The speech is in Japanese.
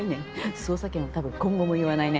捜査権は多分今後も言わないね。